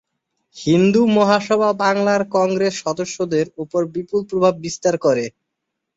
হিন্দু মহাসভা বাংলার কংগ্রেস সদস্যদের ওপর বিপুল প্রভাব বিস্তার করে।